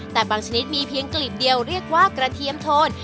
แต่บางชนิดมีเพียงกลีบเดียวเรียกว่ากระเทียมโทน